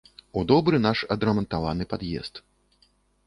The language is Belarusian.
У добры наш адрамантаваны пад'езд.